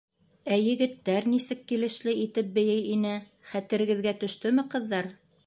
Ә егеттәр нисек килешле итеп бейей ине, хәтерегеҙгә төштөмө, ҡыҙҙар?!